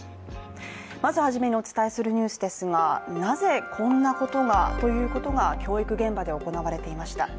まず初めにお伝えするニュースですがなぜこんなことがということが教育現場で行われていました。